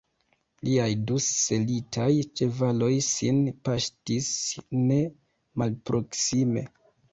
Liaj du selitaj ĉevaloj sin paŝtis ne malproksime.